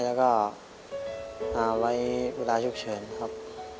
แล้วก็ไว้เวลาฉุกเฉินครับ